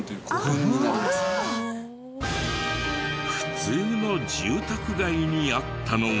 普通の住宅街にあったのは。